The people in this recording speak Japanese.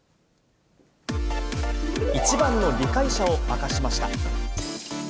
一番の理解者を明かしました。